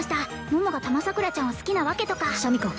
桃がたまさくらちゃんを好きな訳とかシャミ子